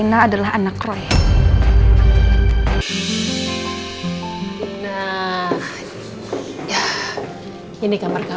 itu orang yang n tua